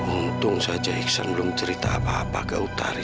untung saja iksan belum cerita apa apa ke utara